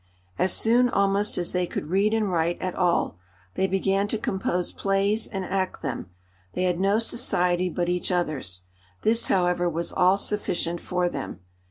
As soon almost as they could read and write at all, they began to compose plays and act them; they had no society but each other's; this, however, was all sufficient for them.